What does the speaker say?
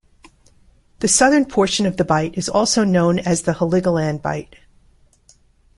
The southern portion of the bight is also known as the Heligoland Bight.